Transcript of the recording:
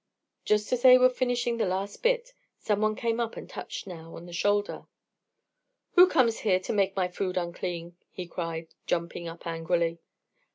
Just as they were finishing the last bit, some one came up and touched Nao on the shoulder. "Who comes here to make my food unclean," he cried, jumping up angrily.